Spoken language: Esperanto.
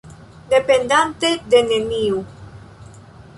Dependante de neniu!